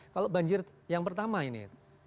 kalau banjir yang pertama ini